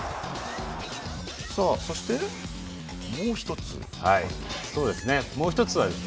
そして、もう１つ。